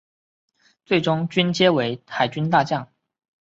最终军阶为海军大将。